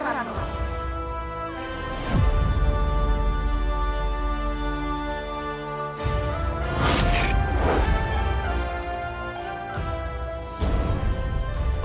aku akan menangis